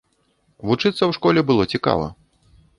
Вучыцца ў школе было цікава.